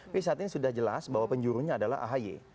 tapi saat ini sudah jelas bahwa penjurunya adalah ahy